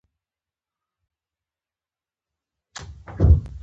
دا کړنلارې همدارنګه د سیمه ییزو وګړو لپاره د کرنیزو محصولاتو په زباتوالي.